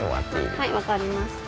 はい分かりました。